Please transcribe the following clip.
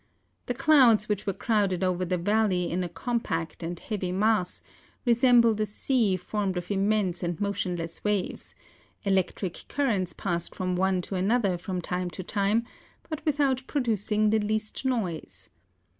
The clouds which were crowded over the valley in a compact and heavy mass, resembled a sea formed of immense and motionless waves; electric currents passed from from one to another from time to time, but without producing the least noise.